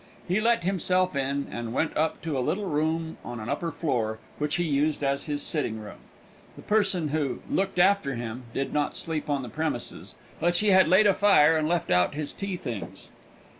He let himself in, and went up to a little room on an upper floor, which he used as his sitting room. The person who "looked after him" did not sleep on the premises; but she had laid a fire and left out his tea things.